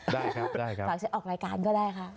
ได้ครับฝากสินออกรายการก็ได้ค่ะ